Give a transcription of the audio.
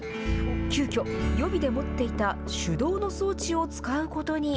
急きょ、予備で持っていた手動の装置を使うことに。